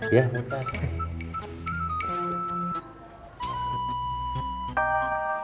iya pak ustadz